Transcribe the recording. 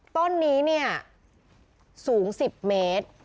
ต้นนี้เนี่ยสูง๑๐เมตร